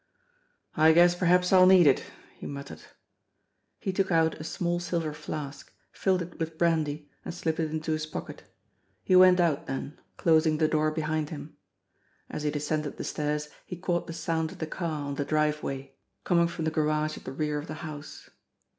"I guess perhaps I'll need it," he muttered. He took out a small silver flask, filled it with brandy, and slipped it into his pocket. He went out then, closing the door behind him. As he descended the stairs he caught the sound of the car on the driveway coming from the garage at the rear of the house.